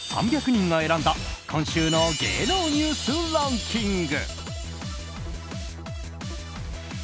３００人が選んだ今週の芸能ニュースランキング。